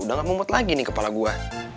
udah gak mumput lagi nih kepala gue